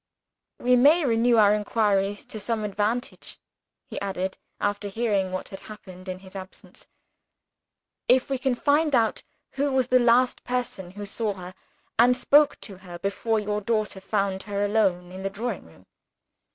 "We may renew our inquiries to some advantage," he added, after hearing what had happened in his absence, "if we can find out who was the last person who saw her, and spoke to her, before your daughter found her alone in the drawing room.